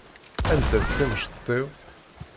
Anda-tt timceḍt-iw?